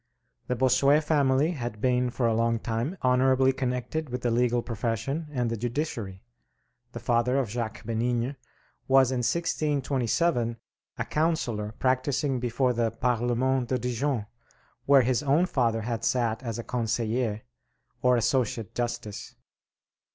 The Bossuet family had been for a long time honorably connected with the legal profession and the judiciary: the father of Jacques Bénigne was in 1627 a counselor practicing before the "Parlement de Dijon," where his own father had sat as "Conseiller," or Associate Justice.